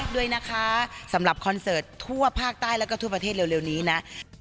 ด้วยนะคะสำหรับคอนเสิร์ตทั่วภาคใต้แล้วก็ทั่วประเทศเร็วนี้นะ